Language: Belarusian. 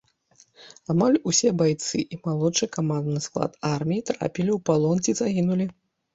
Амаль усе байцы і малодшы камандны склад арміі трапілі ў палон ці загінулі.